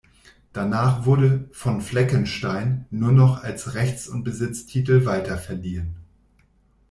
Danach wurde "von Fleckenstein" nur noch als Rechts- und Besitztitel weiterverliehen.